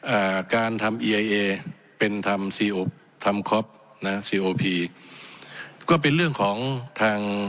อ่าการทำเป็นทำซีอุ๊บทำนะซีออุพีก็เป็นเรื่องของทาง